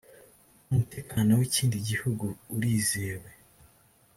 umutekano w’ikindi gihugu urizewe